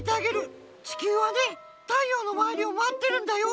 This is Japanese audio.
ちきゅうはね太陽のまわりをまわってるんだよ。